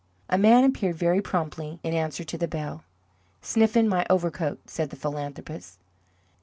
A man appeared very promptly in answer to the bell. "Sniffen, my overcoat," said the philanthropist.